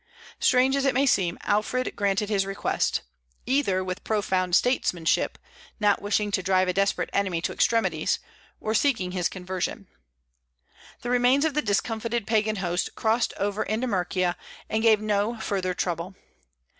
Strange as it may seem, Alfred granted his request, either, with profound statesmanship, not wishing to drive a desperate enemy to extremities, or seeking his conversion. The remains of the discomfited Pagan host crossed over into Mercia, and gave no further trouble.